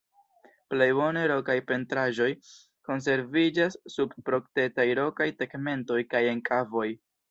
Plej bone rokaj pentraĵoj konserviĝas sub protektaj rokaj tegmentoj kaj en kavoj.